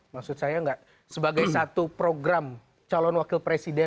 maksud saya nggak sebagai satu program calon wakil presiden